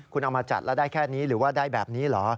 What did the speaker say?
คุณเอามาจัดแล้วได้แค่นี้หรือว่าได้แบบนี้เหรอ